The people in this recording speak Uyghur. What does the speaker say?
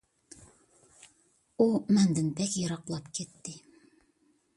ئۇ مەندىن بەك يىراقلاپ كەتتى.